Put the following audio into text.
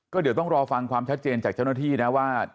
ก็เดี๋ยวต้องรอฟังความชัดเจนจากเจ้าหน้าที่นะว่า